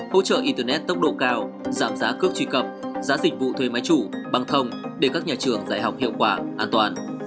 hỗ trợ internet tốc độ cao giảm giá cước truy cập giá dịch vụ thuê máy chủ băng thông để các nhà trường dạy học hiệu quả an toàn